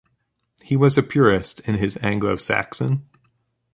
He was a purist in his Anglo-Saxon.